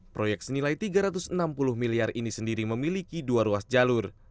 proyek senilai tiga ratus enam puluh miliar ini sendiri memiliki dua ruas jalur